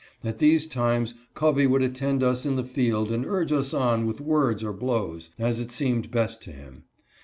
At these times Covey would attend us in the field and urge us on with words or blows, as it seemed best to him.